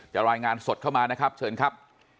รายงานสดเข้ามานะครับเชิญครับ